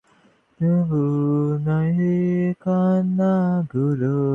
তিনি নৈরাত্মা ও নিগুমার ছয় যোগ সম্বন্ধে জ্ঞানলাভ করেন।